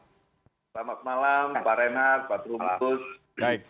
selamat malam pak renat pak trubus selamat malam pak noel